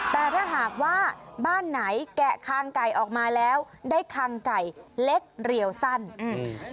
แต่ถ้าหากว่าบ้านไหนแกะคางไก่ออกมาแล้วได้คางไก่เล็กเรียวสั้นอืม